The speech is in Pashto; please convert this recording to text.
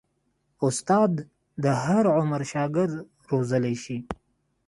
استاد د هر عمر شاګرد روزلی شي.